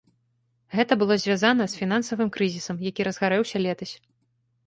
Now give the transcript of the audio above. Гэта было звязана з фінансавым крызісам, які разгарэўся летась.